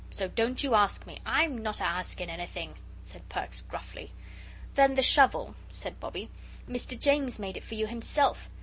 So don't you ask me " "I'm not a asking anything," said Perks, gruffly. "Then the shovel," said Bobbie. "Mr. James made it for you himself.